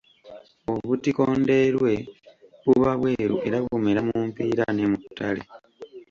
Obutiko Ndeerwe buba bweru era bumera mu mpiira ne mu ttale.